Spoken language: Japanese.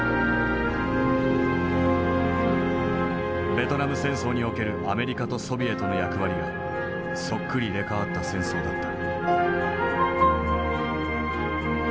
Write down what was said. ベトナム戦争におけるアメリカとソビエトの役割がそっくり入れ代わった戦争だった。